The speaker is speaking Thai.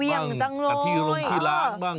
เวียงจังเลยกระที่ลงที่ร้านบ้าง